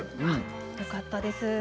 よかったです。